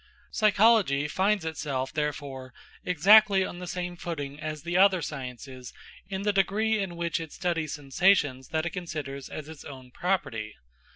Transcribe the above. Psychology finds itself, therefore, exactly on the same footing as the other sciences in the degree in which it studies sensations that it considers as its own property.